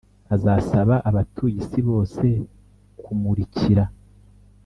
azasaba abatuye isi bose kumumurikira .